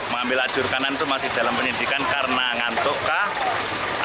mengambil ajur kanan itu masih dalam penyidikan karena ngantuk kah